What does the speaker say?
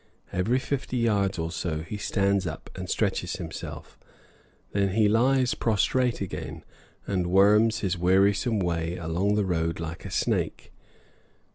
Every fifty yards or so he stands up and stretches himself; then he lies prostrate again and worms his wearisome way along the road like a snake.